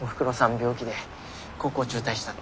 病気で高校中退したって。